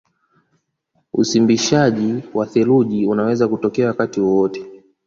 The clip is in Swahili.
Usimbishaji wa theluji unaweza kutokea wakati wowote